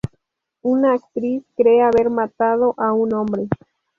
Una actriz cree haber matado a un hombre.